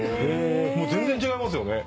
全然違いますよね。